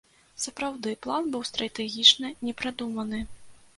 Сапраўды, план быў стратэгічна не прадуманы.